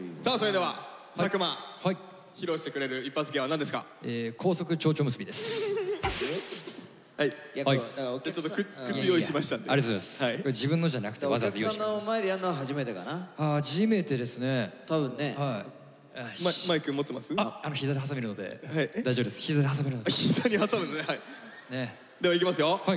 ではいきますよ。